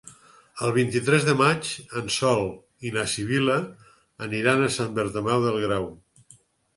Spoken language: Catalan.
El vint-i-tres de maig en Sol i na Sibil·la aniran a Sant Bartomeu del Grau.